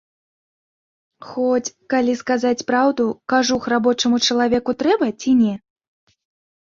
Хоць, калі сказаць праўду, кажух рабочаму чалавеку трэба ці не?